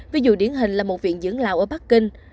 ví dụ điển hình là một viện dưỡng lào ở bắc kinh